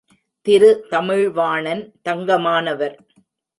Thiru Tamilvanan தங்கமானவர்.